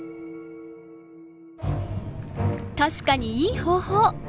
確かにいい方法！